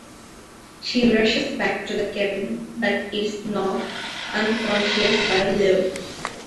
She rushes back to the cabin but is knocked unconscious by Lou.